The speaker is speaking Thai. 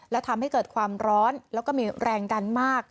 และทำให้เกิดความร้อนแล้วก็มีแรงดันมาก